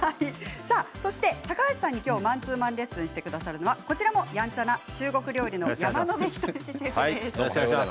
そして高橋さんにマンツーマンレッスンしてくれるのは、こちらもやんちゃな中国料理の山野辺仁シェフです。